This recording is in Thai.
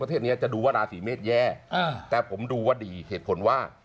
ประเทศนี้จะดูว่าราศีเมษแย่แต่ผมดูว่าดีเหตุผลว่า